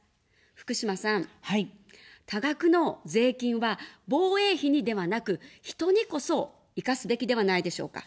福島さん、多額の税金は防衛費にではなく、人にこそ生かすべきではないでしょうか。